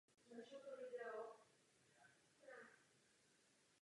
Samotný reaktor byl poté zničen několika malými výbuchy.